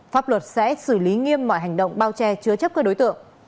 pháp luật sẽ xử lý nghiêm mọi hành động bao che chứa chấp các đối tượng